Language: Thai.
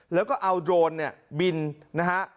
แล้วก็เอาโดรนบินนะฮะ